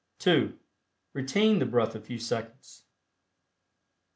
(2) Retain the breath a few seconds.